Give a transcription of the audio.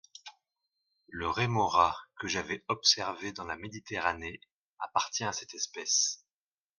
Le rémora, que j'avais observé dans la Méditerranée, appartient à cette espèce.